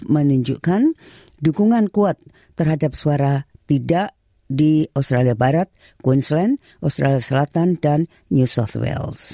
menunjukkan dukungan kuat terhadap suara tidak di australia barat gwensland australia selatan dan new south wales